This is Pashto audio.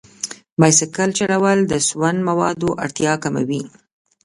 بایسکل چلول د سون موادو اړتیا کموي.